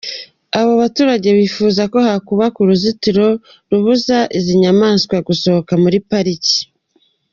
Aba baturage bifuza ko hakubakwa uruzitiro rubuza izi nyamaswa gusohoka muri pariki.